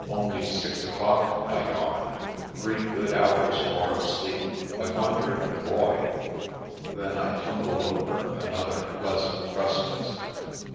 "Only six o'clock," I yawned. "Three good hours more of sleep. I wonder if the Boy *' Then I tumbled over another pleasant precipice.